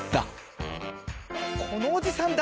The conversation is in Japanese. このおじさん誰？